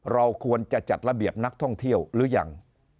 เราควรจะจัดระเบียบนักท่องเที่ยวหรือยัง